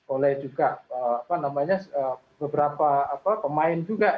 oleh juga apa namanya beberapa pemain juga